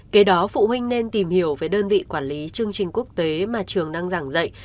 kế đó phụ huynh nên tìm hiểu về đơn vị quản lý chương trình quốc tế mà trường đang giảng dạy